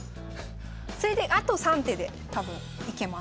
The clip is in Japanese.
それであと３手で多分いけます。